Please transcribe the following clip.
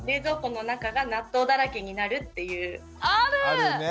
あるね。